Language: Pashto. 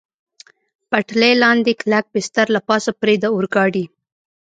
پټلۍ لاندې کلک بستر، له پاسه پرې د اورګاډي.